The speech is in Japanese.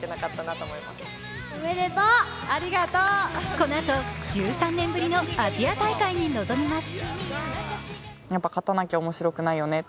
このあ、１３年ぶりのアジア大会に臨みます。